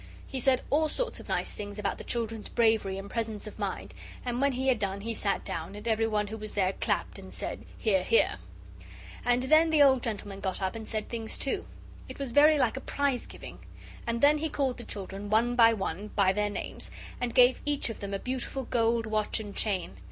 He said all sorts of nice things about the children's bravery and presence of mind, and when he had done he sat down, and everyone who was there clapped and said, "Hear, hear." And then the old gentleman got up and said things, too. It was very like a prize giving. And then he called the children one by one, by their names, and gave each of them a beautiful gold watch and chain.